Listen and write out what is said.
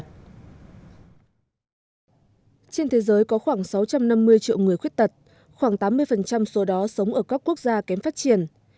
trên thế giới có khoảng sáu trăm năm mươi triệu người khuyết tật khoảng tám mươi số đó sống ở các quốc gia kém phát triển